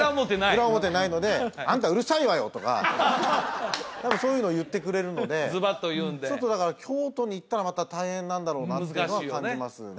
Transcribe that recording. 裏表ないのでとか多分そういうの言ってくれるのでちょっとだから京都に行ったらまた大変なんだろうなっていうのは感じますね